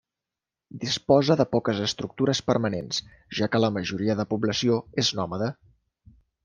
Disposa de poques estructures permanents, ja que la majoria de població és nòmada.